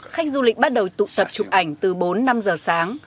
khách du lịch bắt đầu tụ tập chụp ảnh từ bốn năm giờ sáng